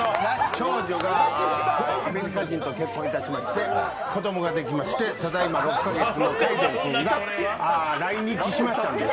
長女がアメリカ人と結婚いたしまして子供ができましてただいま６カ月、来日しました。